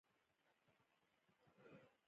مسلمان د مسلمان ورور دئ.